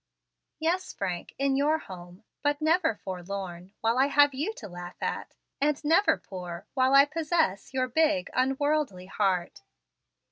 "Yes, Frank, in your home; but never forlorn while I have you to laugh at, and never poor while I possess your big, unworldly heart."